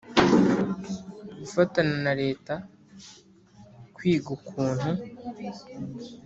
Gufatana na Leta kwiga ukuntu